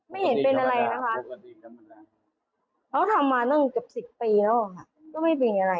ไม่เห็นเป็นอะไรนะคะเขาทำมาเรื่องนั้นแกบสิบปีแล้วมันก็ไม่เป็นอะไร